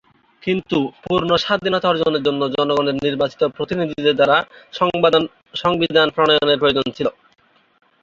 কিন্তু পূর্ণ স্বাধীনতা অর্জনের জন্য জনগণের নির্বাচিত প্রতিনিধিদের দ্বারা সংবিধান প্রণয়নের প্রয়োজন ছিল।